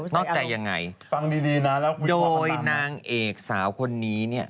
โอ้โฮใส่อารมณ์ฟังดีนะแล้วคุยกว่าข้างต่างโดยนางเอกสาวคนนี้